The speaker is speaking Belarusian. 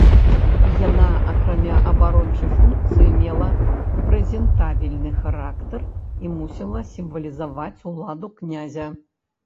Яна акрамя абарончай функцыі мела прэзентабельны характар і мусіла сімвалізаваць уладу князя.